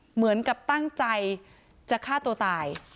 เหมือนกับตั้งใจจะฆ่าตัวตาย